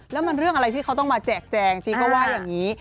แล้วมันเรื่องอะไรที่เขาต้องมาแจกแจงชีก็ว่าอย่างนี้